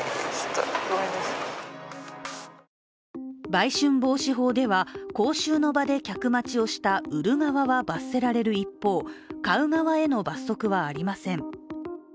売春防止法では、公衆の場で客待ちをした売る側は罰せられる一方買う側への罰則はありません。